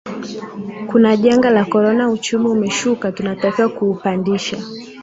Kuna janga la corona uchumi umeshuka tunatakiwa kuupandisha